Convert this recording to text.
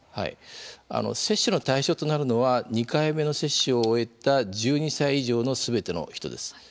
接種対象となるのは２回目の接種を終えた１２歳以上のすべての人です。